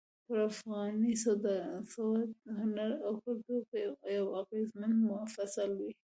پر افغاني سواد، فرهنګ او کلتور يو اغېزمن فصل وي.